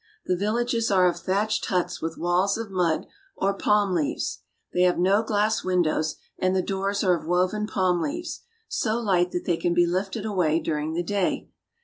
The villages are of thatched huts with walls of mud or palm leaves. They have no glass windows, and the doors are of woven palm leaves, so light that they can be lifted away during the day.